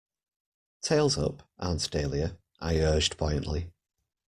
"Tails up, Aunt Dahlia," I urged buoyantly.